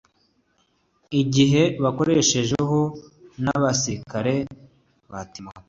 igihe bakojejeho n'abasirikare ba timote